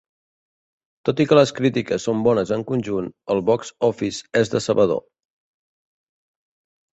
Tot i que les crítiques són bones en conjunt, el box-office és decebedor.